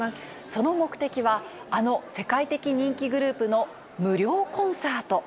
その目的は、あの世界的人気グループの無料コンサート。